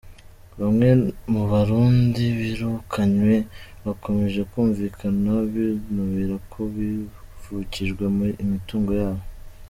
Bamwe mu Barundi birukanywe bakomeje kumvikana binubira ko bavukijwe imitungo yabo.